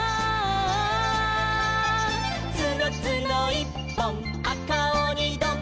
「つのつのいっぽんあかおにどん」